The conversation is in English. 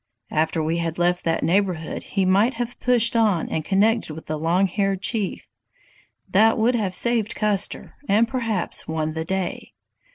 After we had left that neighborhood he might have pushed on and connected with the Long Haired Chief. That would have saved Custer and perhaps won the day.